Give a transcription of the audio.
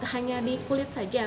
hanya di kulit saja